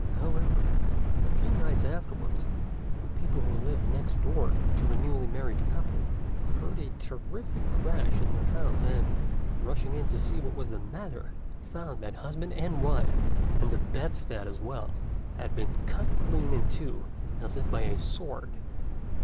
However, a few nights afterwards the people who lived next door to the newly married couple heard a terrific crash in their house, and, rushing in to see what was the matter, found that husband and wife, and the bedstead as well, had been cut clean in two as if by a sword.